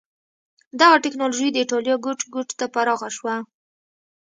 دغه ټکنالوژي د اېټالیا ګوټ ګوټ ته پراخه شوه.